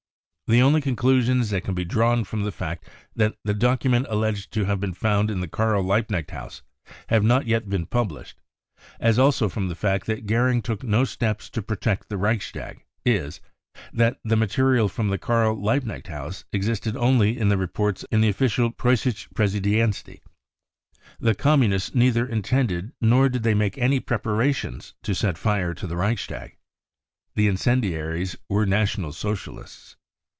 The only conclusion that can be drawn from the fact that the documents alleged to have been found in the Karl Liebknecht House have not yet been published, as also from the fact that Goering took no steps to protect the Reichstag, is : that the material from the Karl Liebknecht House existed only in the reports of the official Preussiscke Pressedienst . The r Communists neither intended, nor did they make any preparations, to set fire to the Reichstag. The incendiaries were National Socialists.